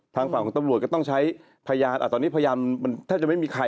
ทางฝั่งของตำรวจก็ต้องใช้พยานตอนนี้พยานมันแทบจะไม่มีใคร